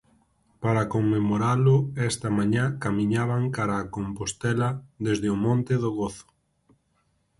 Para conmemoralo, esta mañá camiñaban cara a Compostela desde o Monte do Gozo.